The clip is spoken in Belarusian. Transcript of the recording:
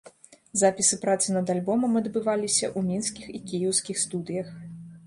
Запіс і праца над альбомам адбываліся ў мінскіх і кіеўскіх студыях.